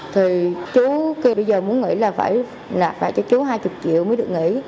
thì chú kêu bây giờ muốn nghĩ là phải nạp lại cho chú hai mươi triệu mới được nghỉ